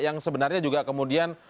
yang sebenarnya juga kemudian